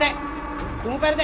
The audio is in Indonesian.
tunggu pak rete